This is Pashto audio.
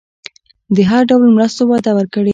د هر ډول مرستو وعده ورکړي.